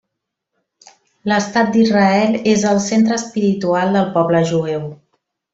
L'estat d'Israel és el centre espiritual del poble jueu.